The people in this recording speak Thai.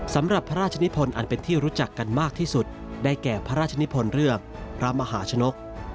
สำหรับพระราชนิพลอันเป็นที่รู้จักกันมากที่สุดได้แก่พระราชนิพลเรื่องพระมหาชนก